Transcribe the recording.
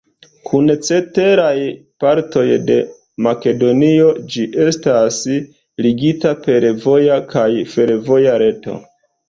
Kun ceteraj partoj de Makedonio ĝi estas ligita per voja kaj fervoja reto.